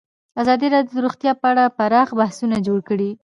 ازادي راډیو د روغتیا په اړه پراخ بحثونه جوړ کړي.